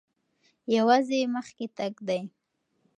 یوازې مخکې تګ دی.